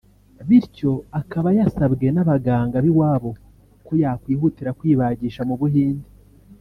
bityo akaba yasabwe n’abaganga b’iwabo ko yakwihutira kwibagisha mu Buhinde